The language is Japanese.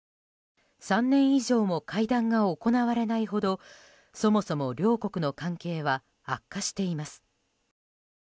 ３年以上も会談が行われないほどそもそも両国の関係は悪化しています。